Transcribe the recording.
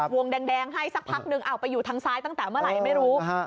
วงแดงให้สักพักนึงเอาไปอยู่ทางซ้ายตั้งแต่เมื่อไหร่ไม่รู้